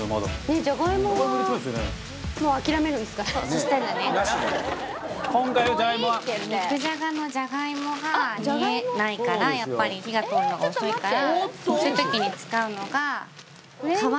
肉じゃがのじゃがいもが煮えないからやっぱり火が通るのが遅いからそういう時に使うのが。